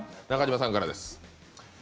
中島さんからです。